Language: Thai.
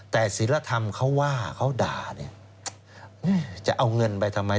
แต่ศิลธรรมเขาว่าเขาด่าเนี่ยจะเอาเงินไปทำไม